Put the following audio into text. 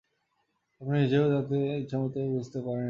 আপনি নিজেও যাতে নিজেকে ঠিকমত বুঝতে পারেন এইটে আমার ইচ্ছা।